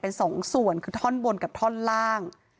เป็นสองส่วนที่ทำของถ้อนบนกับถ้อนล่าง